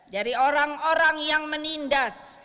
dari orang orang yang menindas